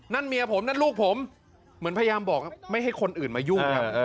เมียผมนั่นลูกผมเหมือนพยายามบอกไม่ให้คนอื่นมายุ่งครับ